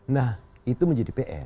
nah itu menjadi pr